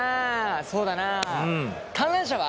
そうだな観覧車は？